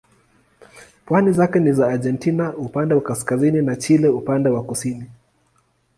Pwani zake ni za Argentina upande wa kaskazini na Chile upande wa kusini.